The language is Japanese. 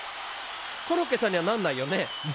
コロッケさんにはなんないよね。